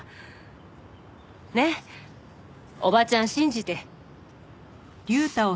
ねっおばちゃん信じて。